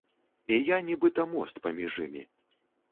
І я нібыта мост паміж імі.